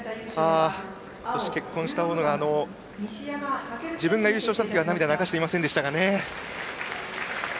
今年結婚した大野が自分が優勝した時は涙を流していませんでしたけども。